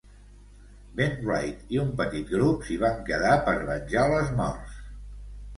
Ben Wright i un petit grup s'hi van quedar per venjar les morts.